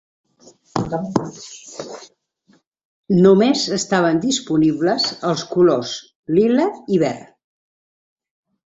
Només estaven disponibles els colors lila i verd.